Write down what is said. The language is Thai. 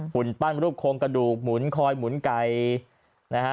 หุ่นปั้นรูปโครงกระดูกหมุนคอยหมุนไก่นะฮะ